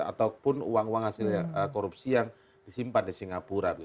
ataupun uang uang hasil korupsi yang disimpan di singapura